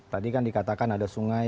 tadi kan dikatakan ada sungai